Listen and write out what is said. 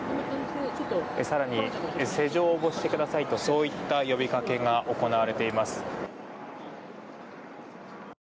更に施錠をしてくださいといった呼びかけが行われています。